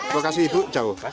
lokasi hidup jauh